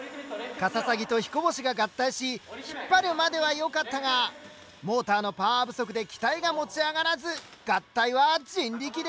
カササギと彦星が合体し引っ張るまではよかったがモーターのパワー不足で機体が持ち上がらず合体は人力で。